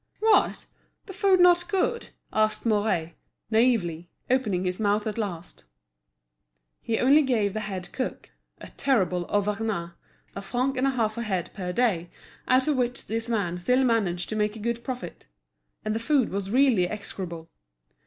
"What! the food not good?" asked Mouret, naïvely, opening his mouth at last. He only gave the head cook, a terrible Auvergnat, a franc and a half a head per day, out of which this man still managed to make a good profit; and the food was really execrable.